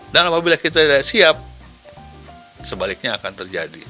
dan apabila kita tidak siap sebaliknya akan terjadi